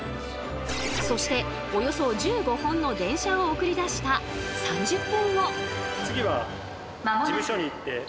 そしておよそ１５本の電車を送り出した３０分後。